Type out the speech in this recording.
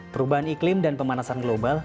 perubahan iklim dan pemanasan global